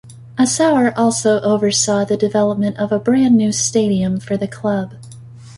Assauer also oversaw the development of a brand new stadium for the club.